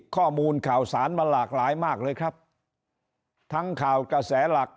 ข้อมูลข่าวสารมาหลากหลายมากเลยครับทั้งข่าวกระแสหลัก